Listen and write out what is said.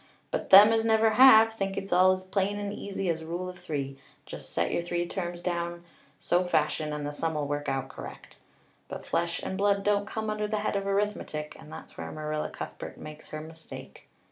But them as never have think it's all as plain and easy as Rule of Three just set your three terms down so fashion, and the sum 'll work out correct. But flesh and blood don't come under the head of arithmetic and that's where Marilla Cuthbert makes her mistake.